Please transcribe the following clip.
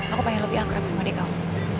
aku pengen lebih angkrap sama adik kamu